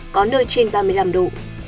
có nơi trên ba mươi năm độ